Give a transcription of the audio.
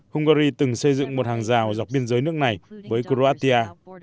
hungary từng xây dựng một hàng rào dọc biên giới nước này với kroatia